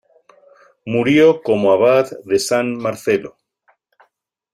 Murió como abad de San Marcelo.